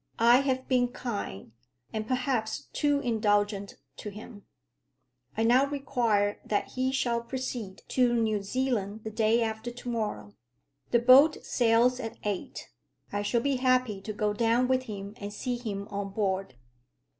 I have been kind, and perhaps too indulgent, to him. I now require that he shall proceed to New Zealand the day after to morrow. The boat sails at eight. I shall be happy to go down with him and see him on board."